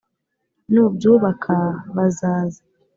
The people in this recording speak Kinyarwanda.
nubyubaka bazaza